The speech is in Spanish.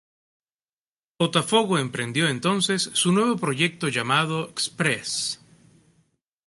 Botafogo emprendió entonces su nuevo proyecto llamado Xpress.